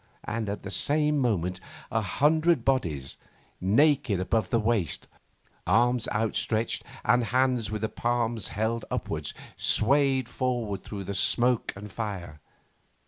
And at the same moment a hundred bodies, naked above the waist, arms outstretched and hands with the palms held upwards, swayed forwards through the smoke and fire.